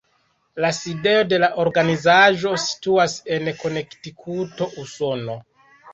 La sidejo de la organizaĵo situas en Konektikuto, Usono.